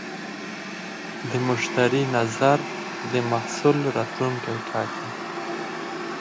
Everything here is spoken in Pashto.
د مشتری نظر د محصول راتلونکی ټاکي.